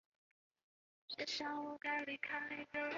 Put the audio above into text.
高松车站的铁路车站。